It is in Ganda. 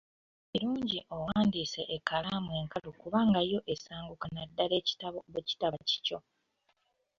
Kirungi owandiise ekkalaamu enkalu kubanga yo esanguka naddala ekitabo bwe kitba kikyo.